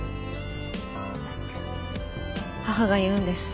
母が言うんです。